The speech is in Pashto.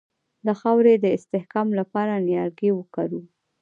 د خاورې د استحکام لپاره نیالګي وکرو.